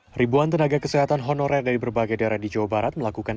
hai ribuan tenaga kesehatan honorer dari berbagai daerah di jawa barat melakukan